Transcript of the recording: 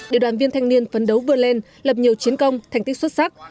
để đoàn viên thanh niên phấn đấu vươn lên lập nhiều chiến công thành tích xuất sắc